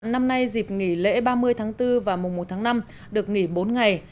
năm nay dịp nghỉ lễ ba mươi tháng bốn và mùa một tháng năm được nghỉ bốn ngày